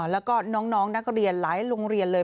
แล้วก็น้องนักเรียนหลายโรงเรียนเลย